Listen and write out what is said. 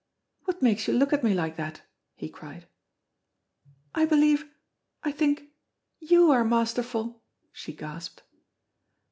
"What makes you look at me like that?" he cried. "I believe I think you are masterful," she gasped.